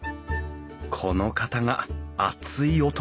この方が熱い男